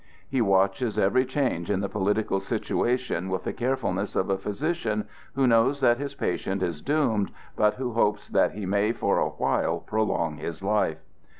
He watches every change in the political situation with the carefulness of a physician who knows that his patient is doomed, but who hopes that he may for a while prolong his life.